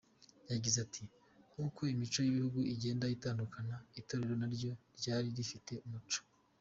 Yagize ati“Nk’uko imico y’ibihugu igenda itandukana, Itorero naryo ryari rifite umuco.